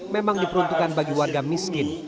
memang diperuntukkan bagi warga miskin